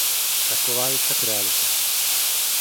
Taková je však realita.